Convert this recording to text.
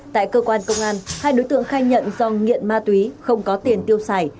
tại cơ quan công an hai đối tượng khai nhận do nghiện ma túy không có tiền tiêu xài